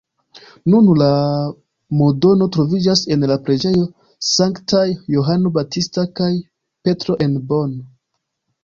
Nun la madono troviĝas en la preĝejo Sanktaj Johano Baptista kaj Petro en Bonn.